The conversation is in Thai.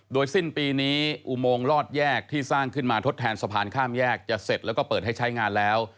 โดยสิ้นปีนี้อุโมงลอดแยกที่สร้างขึ้นมาทดแทนสะพานข้ามแยกจะเสร็จแล้วก็เปิดให้ใช้งานแล้ว